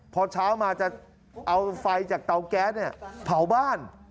พอเช้ามาจะเอาไฟจากเตาแก๊สเนี่ยเผาบ้าน